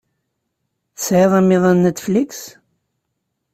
Tesɛiḍ amiḍan Netflix?